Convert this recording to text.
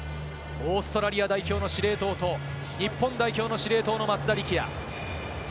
オーストラリア代表の司令塔と日本代表の司令塔の松田力也。